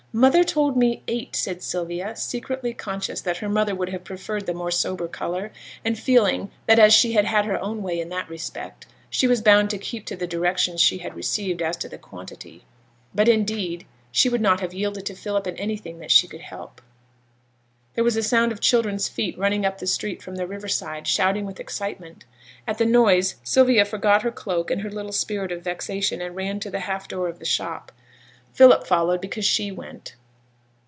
'Mother told me eight,' said Sylvia, secretly conscious that her mother would have preferred the more sober colour; and feeling that as she had had her own way in that respect, she was bound to keep to the directions she had received as to the quantity. But, indeed, she would not have yielded to Philip in anything that she could help. There was a sound of children's feet running up the street from the river side, shouting with excitement. At the noise, Sylvia forgot her cloak and her little spirit of vexation, and ran to the half door of the shop. Philip followed because she went.